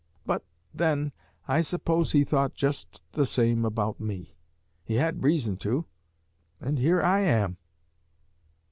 ] 'But, then, I suppose he thought just the same about me; he had reason to, and here I am!'"